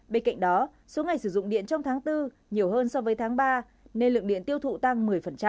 bên cạnh đó số ngày sử dụng điện trong tháng bốn nhiều hơn so với tháng ba nên lượng điện tiêu thụ tăng một mươi